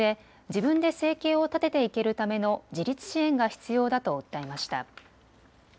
自分で生計を立てていけるための自立支援が必要だと訴えました。